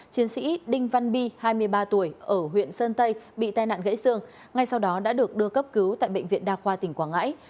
chiến sĩ đinh văn bi hai mươi ba tuổi ở huyện sơn tây bị tai nạn gãy xương ngay sau đó đã được đưa cấp cứu tại bệnh viện đa khoa tỉnh quảng ngãi